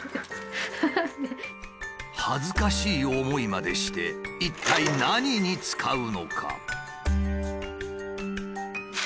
恥ずかしい思いまでして一体何に使うのか？